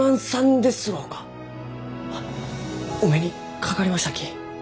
あお目にかかりましたき。